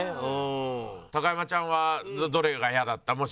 うん高山ちゃんはどれが嫌だった？